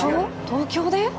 東京で？